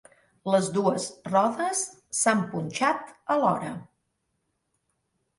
Les dues rodes s'han punxat alhora.